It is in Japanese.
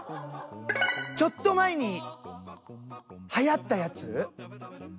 ちょっと前にはやったやつ。